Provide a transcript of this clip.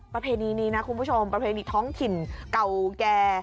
ประเพณีนี้นะคุณผู้ชมประเพณีท้องถิ่นเก่าแก่